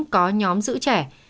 có nhóm giữ trẻ